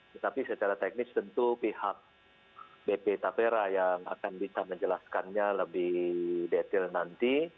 tetapi secara teknis tentu pihak bp tapera yang akan bisa menjelaskannya lebih detail nanti